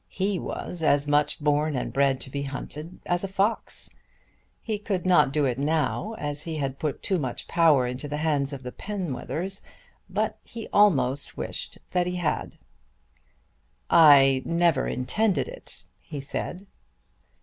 He was as much born and bred to be hunted as a fox. He could not do it now as he had put too much power into the hands of the Penwethers, but he almost wished that he had. "I never intended it," he said.